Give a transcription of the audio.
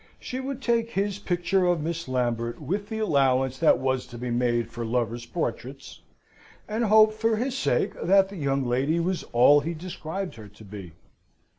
She would take his picture of Miss Lambert with the allowance that was to be made for lovers' portraits, and hope, for his sake, that the young lady was all he described her to be.